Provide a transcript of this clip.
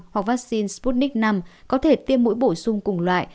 hoặc vaccine sputnik v có thể tiêm mũi bổ sung cùng loại